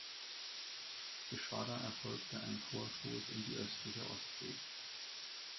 Geschwader erfolgte ein Vorstoß in die östliche Ostsee.